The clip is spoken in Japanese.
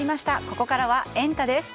ここからはエンタ！です。